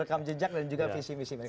rekam jejak dan juga visi visi mereka